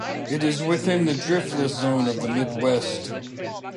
It is within the Driftless Zone of the Midwest.